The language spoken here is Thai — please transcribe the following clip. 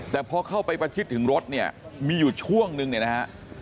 แต่พอเข้าไปประชิดถึงรถเนี่ยมีอยู่ช่วงนึงเนี่ยนะฮะ